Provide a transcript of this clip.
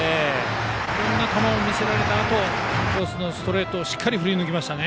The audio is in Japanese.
いろんな球を見せられたあとインコースのストレートをしっかり振り抜きましたね。